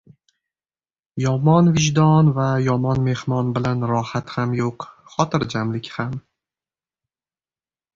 • Yomon vijdon va yomon mehmon bilan rohat ham yo‘q, xotirjamlik ham.